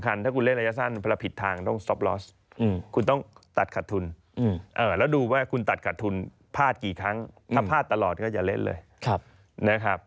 ว่าถ้าเกิดขาดแล้วมันได้กลับมา